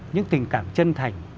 những tình cảm chân thành